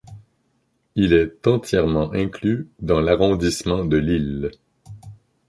Il est entièrement inclus dans l'arrondissement de Lille.